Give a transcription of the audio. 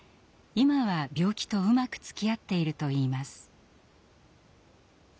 今は病気とうまくつきあっているといいます。